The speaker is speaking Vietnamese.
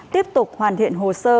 tiếp tục hoàn thiện hồ sơ